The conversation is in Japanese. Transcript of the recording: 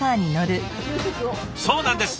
そうなんです！